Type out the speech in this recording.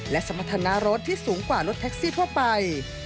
และสมรรถนารถที่สูงกว่ารถแท็กซี่ทั่วไป